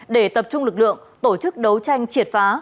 để tập trung lực lượng tổ chức đấu tranh triệt phá